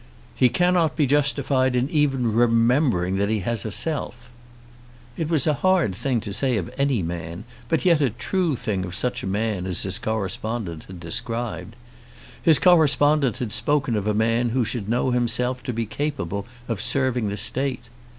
"He cannot be justified in even remembering that he has a self." It was a hard thing to say of any man, but yet a true thing of such a man as his correspondent had described. His correspondent had spoken of a man who should know himself to be capable of serving the State.